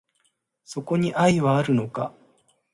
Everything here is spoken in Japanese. そこに愛はあるのか